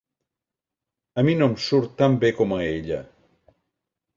A mi no em surt tan bé com a ella.